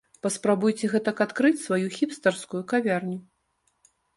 Паспрабуйце гэтак адкрыць сваю хіпстарскую кавярню!